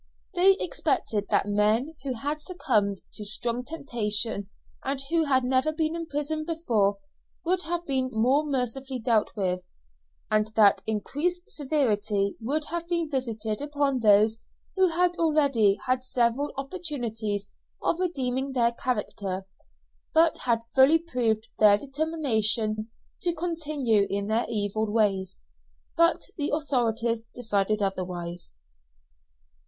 They expected that men who had succumbed to strong temptation and who had never been in prison before would have been more mercifully dealt with; and that increased severity would have been visited upon those who had already had several opportunities of redeeming their character, but had fully proved their determination to continue in their evil ways; but the authorities decided otherwise.